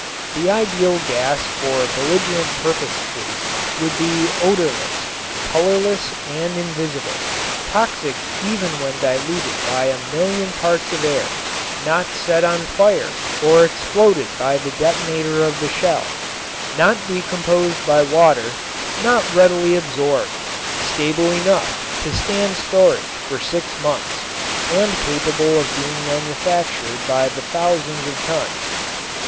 The ideal gas for belligerent purposes would be odorless, colorless and invisible, toxic even when diluted by a million parts of air, not set on fire or exploded by the detonator of the shell, not decomposed by water, not readily absorbed, stable enough to stand storage for six months and capable of being manufactured by the thousands of tons.